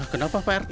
kenapa pak rete